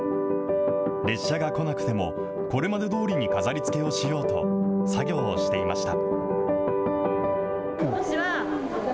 列車が来なくても、これまでどおりに飾りつけをしようと、作業をしていました。